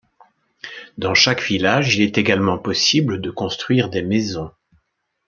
Dans chaque village, il est également possible de construire des maisons.